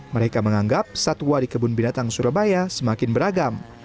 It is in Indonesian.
mereka menganggap satwa di kebun binatang surabaya semakin beragam